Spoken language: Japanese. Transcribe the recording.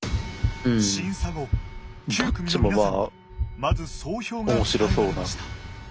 審査後９組の皆さんにまず総評が伝えられました。